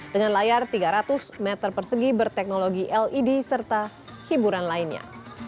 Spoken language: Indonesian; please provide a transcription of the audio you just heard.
dengan layar tiga ratus meter persegi berteknologi led serta hiburan lainnya